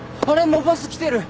もうバス来てる！